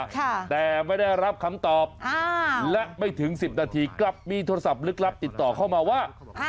แต่ไม่ได้รับคำตอบและไม่ถึงสิบนาทีกลับมีโทรศัพท์ลึกลับติดต่อเข้ามาว่า